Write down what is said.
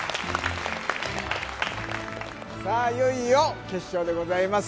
いよいよ決勝でございます。